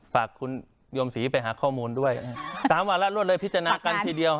ฝากคุณโยมศรีไปหาข้อมูลด้วย๓วันแล้วรวดเลยพิจารณากันทีเดียว